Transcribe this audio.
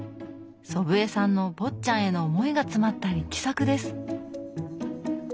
祖父江さんの「坊っちゃん」への思いが詰まった力作です。